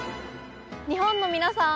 日本の皆さん